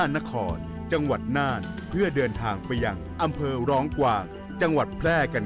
เนื้อภาคทหุ่นไป